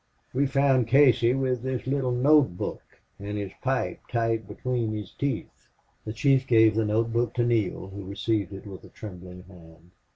We found Casey with this little note book and his pipe tight between his teeth." The chief gave the note book to Neale, who received it with a trembling hand.